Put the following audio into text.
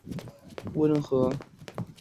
市内的气候颇为温和。